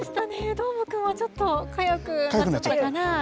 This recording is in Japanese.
どーもくんも、ちょっとかゆくなったかな？